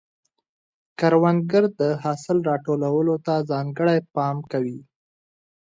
کروندګر د حاصل راټولولو ته ځانګړی پام کوي